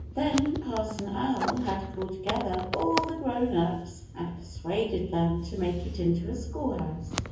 Then Parson Owl had called together all the Grown ups and persuaded them to make it into a schoolhouse.